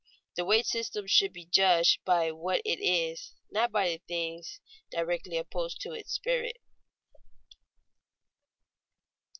The wage system should be judged by what it is, not by things directly opposed to its spirit.